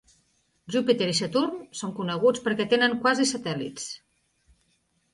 Júpiter i Saturn són coneguts perquè tenen quasi-satèl·lits.